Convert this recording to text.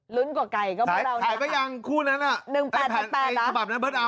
รุ้นกว่าไก่ก็เพราะเรานะครับ